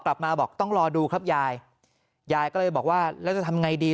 กลับมาบอกต้องรอดูครับยายยายก็เลยบอกว่าแล้วจะทำไงดี